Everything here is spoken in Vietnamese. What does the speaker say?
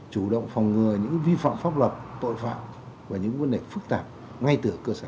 chủ động phòng ngừa những vi phạm pháp luật tội phạm và những vấn đề phức tạp ngay từ cơ sở